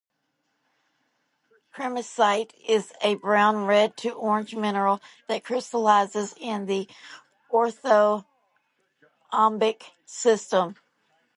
Kremersite is a brown-red to orange mineral that crystallizes in the orthorhombic system.